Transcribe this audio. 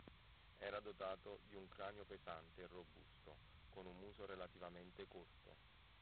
Era dotato di un cranio pesante e robusto, con un muso relativamente corto.